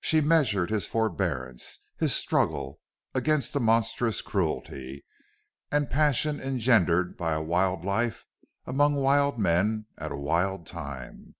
She measured his forbearance, his struggle, against the monstrous cruelty and passion engendered by a wild life among wild men at a wild time.